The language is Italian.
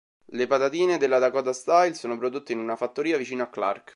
Le patatine della Dakota Style sono prodotte in una fattoria vicino a Clark.